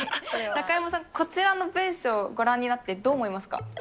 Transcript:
中山さん、こちらの文章をご覧になってどう思いますか？